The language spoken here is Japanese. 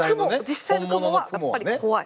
実際のクモはやっぱり怖い。